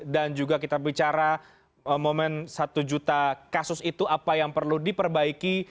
dan juga kita bicara momen satu juta kasus itu apa yang perlu diperbaiki